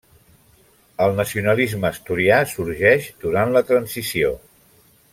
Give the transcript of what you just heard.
El nacionalisme asturià sorgeix durant la Transició.